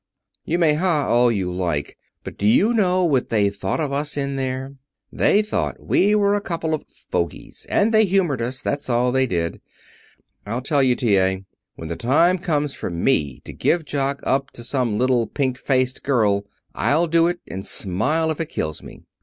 "You may 'Ha!' all you like. But do you know what they thought of us in there? They thought we were a couple of fogies, and they humored us, that's what they did. I'll tell you, T.A., when the time comes for me to give Jock up to some little pink faced girl I'll do it, and smile if it kills me.